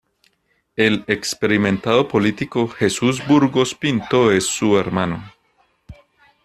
El experimentado político Jesús Burgos Pinto es su hermano.